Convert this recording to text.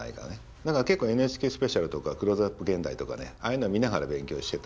だから結構「ＮＨＫスペシャル」とか「クローズアップ現代」とかねああいうの見ながら勉強してた。